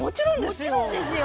もちろんですよ！